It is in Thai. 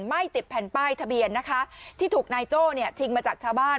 ไม่ติดแผ่นป้ายทะเบียนนะคะที่ถูกนายโจ้เนี่ยชิงมาจากชาวบ้าน